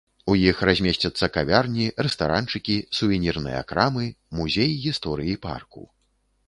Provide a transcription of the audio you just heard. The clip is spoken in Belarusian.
У іх размесцяцца кавярні, рэстаранчыкі, сувенірныя крамы, музей гісторыі парку.